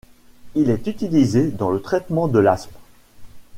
Il est utilisé dans le traitement de l'asthme.